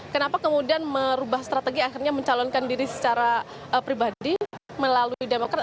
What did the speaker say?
kenapa kemudian merubah strategi akhirnya mencalonkan diri secara pribadi melalui demokrat